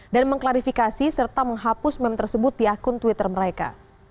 dan mengklarifikasi serta menghapus meme tersebut di akun twitter mereka